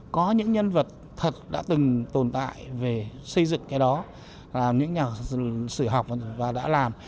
có những nhân vật thật đã từng tồn tại về xây dựng cái đó làm những nhà sử học và đã làm